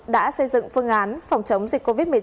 đã xây dựng phương án phòng chống dịch covid một mươi chín